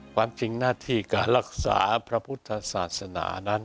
ความจริงหน้าที่การรักษาพระพุทธศาสนานั้น